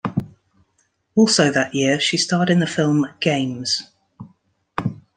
Also that year, she starred in the film "Games".